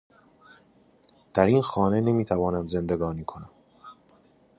در این خانه نمیتوانم زندگانی کنم